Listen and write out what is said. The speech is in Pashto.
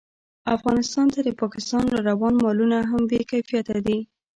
افغانستان ته د پاکستان راروان مالونه هم بې کیفیته دي